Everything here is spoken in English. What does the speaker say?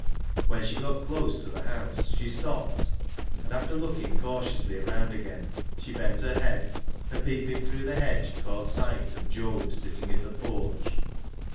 When she got close to the house she stopped, and after looking cautiously around again, she bent her head, and peeping through the hedge, caught sight of Job sitting in the porch.